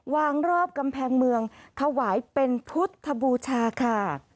วางรอบกำแพงเมืองถวายเป็นพุทธบูชาค่ะ